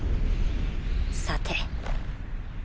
さて。